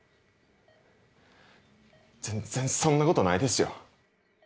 全然そんなことないですよ